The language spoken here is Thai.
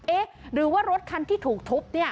เอ๊ะหรือว่ารถคันที่ถูกทุบ